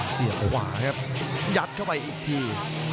เสียบขวาครับยัดเข้าไปอีกที